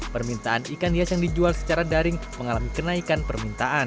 permintaan ikan hias yang dijual secara daring mengalami kenaikan permintaan